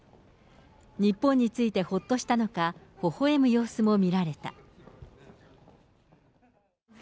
日本に着いて、ほっとしたのか、ほほえむ様子も見られた。